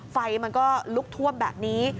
ไฟมันก็ลุกท่วมแบบนี้